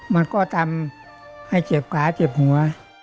มันก็ทำให้เจ็บขาเจ็บหัว